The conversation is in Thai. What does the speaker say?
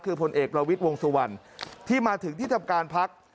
คือผลเอกประวิทย์วงสุวรรณที่มาถึงที่ทำการพัก